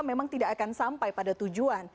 memang tidak akan sampai pada tujuan